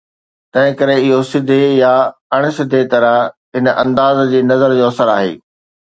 تنهن ڪري اهو سڌي يا اڻ سڌي طرح هن انداز جي نظر جو اثر آهي.